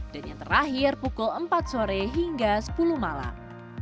dan yang terakhir pukul empat sore hingga sepuluh malam